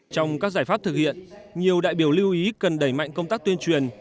trong các giải pháp thực hiện nhiều đại biểu lưu ý cần đẩy mạnh công tác tuyên truyền